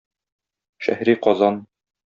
"Шәһри Казан".